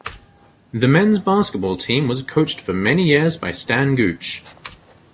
The Men's Basketball team was coached for many years by Stan Gooch.